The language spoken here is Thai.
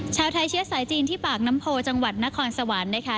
ชาวไทยเชื้อสายจีนที่ปากน้ำโพจังหวัดนครสวรรค์นะคะ